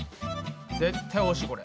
絶対おいしいこれ。